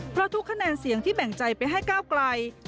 เพราะทุกคะแนนเสียงที่แบ่งใจไปให้ก้าวไกล